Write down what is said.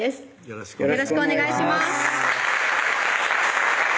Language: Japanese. よろしくお願いします